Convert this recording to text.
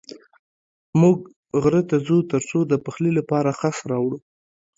موږ غره ته ځو تر څو د پخلي لپاره خس راوړو.